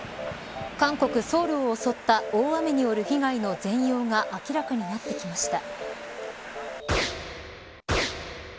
韓国、ソウルを襲った大雨による被害の全容が明らかになってきました。